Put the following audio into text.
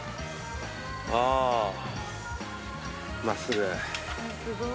ああまっすぐ。